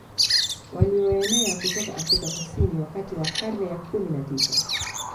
Walioenea kutoka Afrika Kusini wakati wa karne ya kumi na tisa